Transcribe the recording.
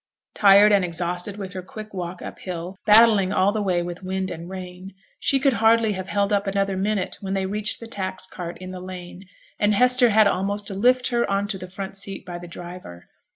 Tired and exhausted with her quick walk up hill, battling all the way with wind and rain, she could hardly have held up another minute when they reached the tax cart in the lane, and Hester had almost to lift her on to the front seat by the driver.